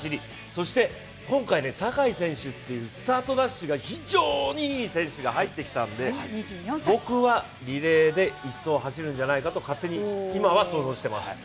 そして、今回、坂井選手というスタートダッシュが非常にいい選手が入ってきたので、僕はリレーで１走を走るんじゃないかと勝手に予想しています。